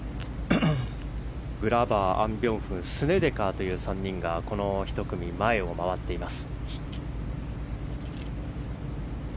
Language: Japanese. グラバーアン・ビョンフンスネデカーという３人がこの１組前を回っています。